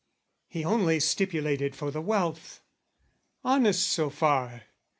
He only stipulated for the wealth; Honest so far.